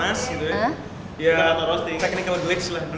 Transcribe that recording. dananya dari kita berdua juga gitu